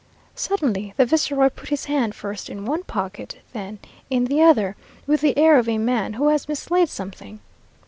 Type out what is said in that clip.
Suddenly the viceroy put his hand first in one pocket, then in the other, with the air of a man who has mislaid something.